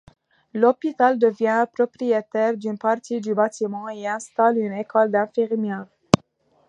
L'hôpital devient propriétaire d'une partie du bâtiment et y installe une école d'infirmières.